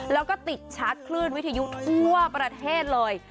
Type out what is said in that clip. แล้วก็ติดชาร์จคลื่นวิทยุทั่วประเทศเลย